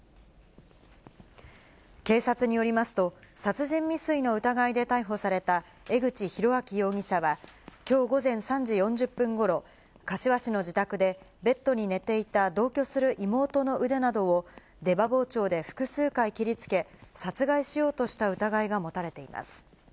警察によりますと、殺人未遂の疑いで逮捕された江口弘晃容疑者は、きょう午前３時４０分ごろ、柏市の自宅で、ベッドに寝ていた同居する妹の腕などを、出刃包丁で複数回切りつけ、殺害しようとした疑いが持たれています。